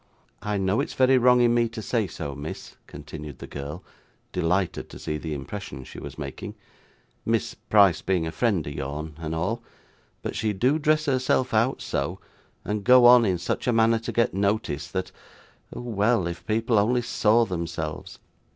'I know it's very wrong in me to say so, miss,' continued the girl, delighted to see the impression she was making, 'Miss Price being a friend of your'n, and all; but she do dress herself out so, and go on in such a manner to get noticed, that oh well, if people only saw themselves!